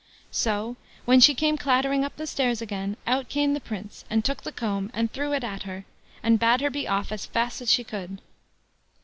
So, when she came clattering up the stairs again, out came the Prince, and took the comb, and threw it at her, and bade her be off as fast as she could.